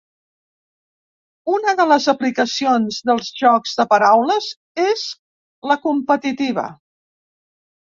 Una de les aplicacions dels jocs de paraules és la competitiva.